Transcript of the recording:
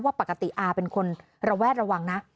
ปกติอาเป็นคนระแวดระวังนะ